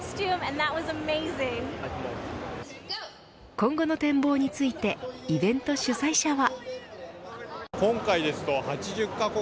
今後の展望についてイベント主催者は。